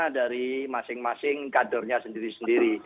dari masing masing kadernya sendiri sendiri